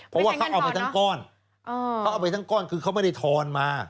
ไม่ใช่เงินทอนเนอะเพราะว่าเขาเอาไปทั้งก้อนคือเขาไม่ได้ทอนมา